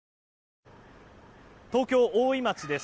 東京・大井町です。